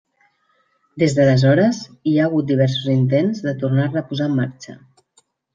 Des d'aleshores, hi ha hagut diversos intents de tornar-la a posar en marxa.